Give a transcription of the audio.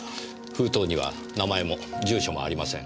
封筒には名前も住所もありません。